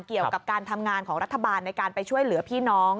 เกี่ยวกับการทำงานของรัฐบาลในการไปช่วยเหลือพี่น้อง